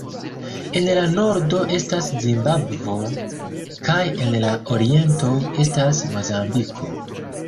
En la nordo estas Zimbabvo, kaj en la oriento estas Mozambiko.